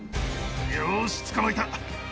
よしつかまえた。